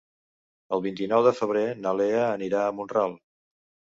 El vint-i-nou de febrer na Lea anirà a Mont-ral.